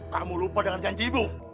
kamu lupa dengan janjimu